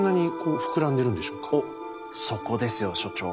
おっそこですよ所長。